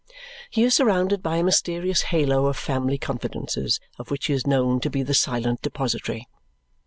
He is surrounded by a mysterious halo of family confidences, of which he is known to be the silent depository.